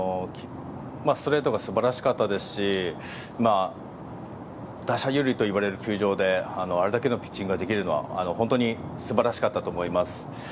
ストレートが素晴らしかったですし打者有利といわれる球場であれだけのピッチングができるのは本当に素晴らしかったと思います。